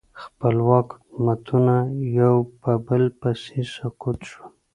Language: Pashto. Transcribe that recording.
خپلواک حکومتونه یو په بل پسې سقوط شول.